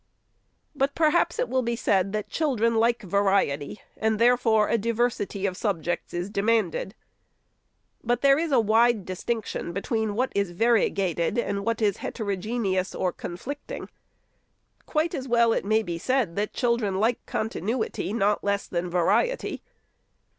But, perhaps it will be said that children like variety, and therefore a diversity of subjects is demanded. But there is a wide distinction between what is variegated and what is heterogeneous or conflicting. Quite as well may it be said, that children like continuity, not less than variety.